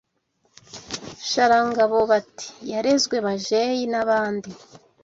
Sharangabo bati Yarezwe bajeyi n’abandi